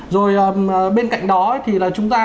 rồi bên cạnh đó thì là chúng ta